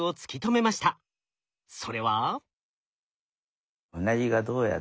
それは？